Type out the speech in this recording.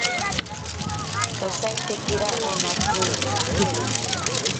Osaitekira onatsi.